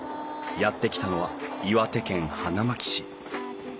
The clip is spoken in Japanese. やって来たのは岩手県花巻市。